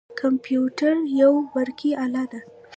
کمپیوتر یوه برقي اله ده.